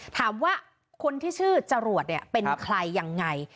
ถามว่าคนที่ชื่อจรวดเนี่ยเป็นใครยังไง